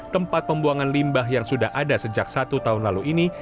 tempat pembuangan limbah yang sudah ada sejak satu tahun lalu ini